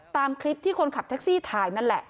ตามคลิปที่คนขับแท็กซี่ถ่ายนั่นแหละ